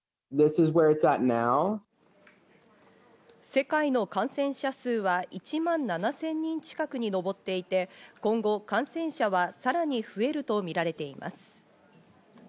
世界の感染者数は１万７０００人近くにのぼっていて、今後、感染者はさらに増えるとみられています。